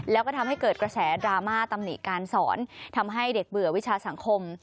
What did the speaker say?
แล้วก็ทำให้เกิดกระแสดราม่าตำหนิการสอนทำให้เด็ดเบื่อวิชาสังคม